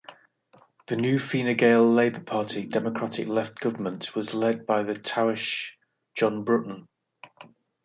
The new Fine Gael-Labour Party-Democratic Left government was led by the Taoiseach John Bruton.